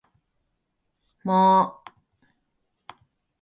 国縫駅